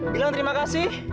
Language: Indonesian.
bilang terima kasih